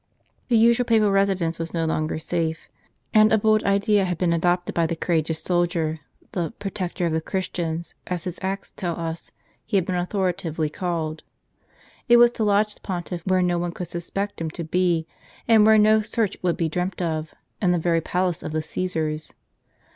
The usual papal residence was no longer safe; and a bold idea had been adopted by the courageous soldier, — the " Pro tector of the Christians," as his acts tell us he had been authoritatively called. It was to lodge the Pontiff where no one could suspect him to be, and where no search would be dreamt of, in the very palace of the Caesars.